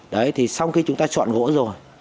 đấy thì sau khi chúng ta chọn gỗ rồi